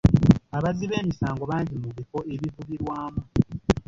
Abazzi b'emisango bangi mu bifo ebivibirwamu.